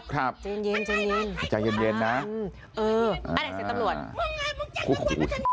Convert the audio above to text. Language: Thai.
ครับจังเย็นนะเออนั่นแหละเสียตำรวจ